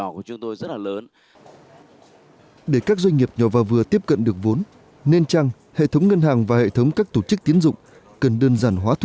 các doanh nghiệp nhỏ vào vừa tiếp cận được vốn nên trang hệ thống ngân hàng và hệ thống các tổ chức tiến dụng cần được giải pháp